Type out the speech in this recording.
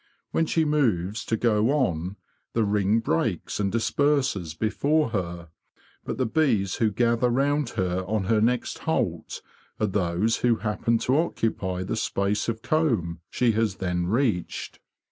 When she moves to go on, the ring breaks and disperses before her; but the bees who gather round her on her next halt are those who happen to occupy the space of comb she has then reached.